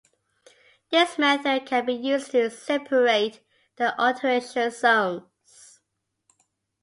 This method can be used to separate the alteration zones.